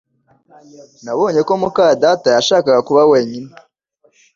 Nabonye ko muka data yashakaga kuba wenyine